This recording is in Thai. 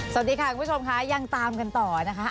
สวัสดีค่ะคุณผู้ชมค่ะยังตามกันต่อนะคะ